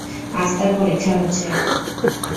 আজ তার পরীক্ষা হচ্ছে।